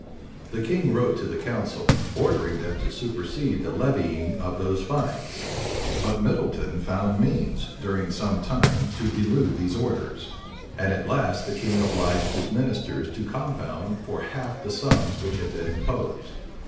The king wrote to the council, ordering them to supersede the levying of those fines: but Middleton found means, during some time, to elude these orders.[*] And at last, the king obliged his ministers to compound for half the sums which had been imposed.